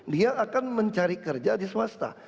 dia akan mencari kerja di swasta